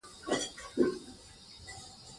د دې ولايت ځوانان د ښه راتلونکي هيلې لري.